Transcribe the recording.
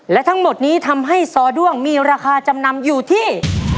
และทั้งหมดนี้ทำให้ซอด้วงมีราคาจำนำอยู่ที่